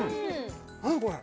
何これ？